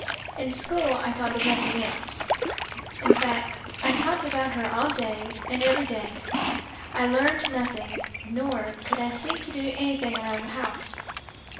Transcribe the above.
In school I talked of nothing else. In fact, I talked about her all day and every day. I learned nothing, nor could I seem to do anything around the house.